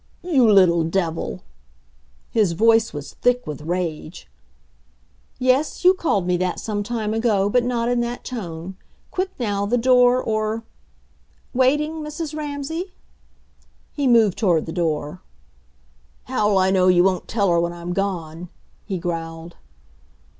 "You little devil!" His voice was thick with rage. "Yes, you called me that some time ago, but not in that tone. Quick, now the door or ... Waiting, Mrs. Ramsay?" He moved toward the door. "How'll I know you won't tell her when I'm gone?" he growled.